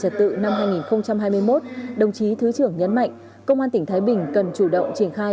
trật tự năm hai nghìn hai mươi một đồng chí thứ trưởng nhấn mạnh công an tỉnh thái bình cần chủ động triển khai